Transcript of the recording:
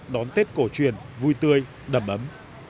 đón tết cổ truyền vui tươi đầm ấm